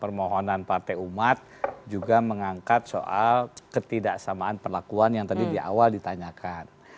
permohonan partai umat juga mengangkat soal ketidaksamaan perlakuan yang tadi di awal ditanyakan